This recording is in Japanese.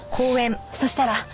そしたら。